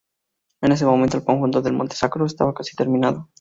En este momento el conjunto del Monte Sacro estaba casi terminado.